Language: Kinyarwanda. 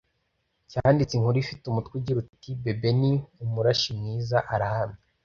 cyanditse inkuru ifite umutwe ugira uti “Bebe ni umurashi mwiza…Arahamya’